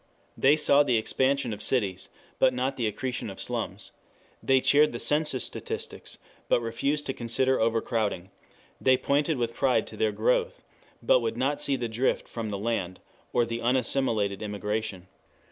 They saw the expansion of cities, but not the accretion of slums; they cheered the census statistics, but refused to consider overcrowding; they pointed with pride to their growth, but would not see the drift from the land, or the unassimilated immigration.